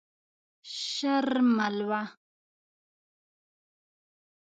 شر ملوه.